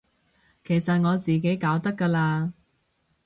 其實我自己搞得㗎喇